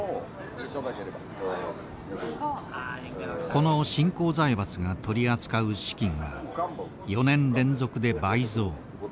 この新興財閥が取り扱う資金は４年連続で倍増。